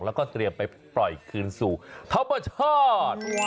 แล้วก็เตรียมไปปล่อยคืนสู่ธรรมชาติ